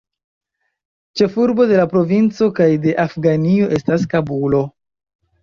Ĉefurbo de la provinco kaj de Afganio estas Kabulo.